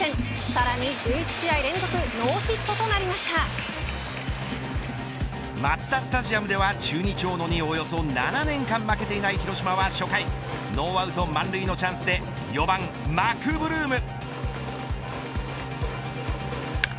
さらに１１試合連続マツダスタジアムでは中日、大野におよそ７年間負けていない広島は初回ノーアウト満塁のチャンスで４番マクブルーム。